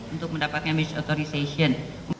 untuk mendapatkan major authorization